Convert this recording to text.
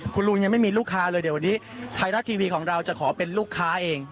คุณลุงยังไม่มีลูกค้าเลยเดี๋ยววันนี้ไทยรัฐทีวีของเราจะขอเป็นลูกค้าเอง